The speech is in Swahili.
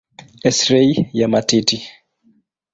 Eksirei ya matiti.